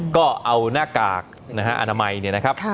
ก็เอาหน้ากากนะฮะอนามัยเนี่ยนะครับ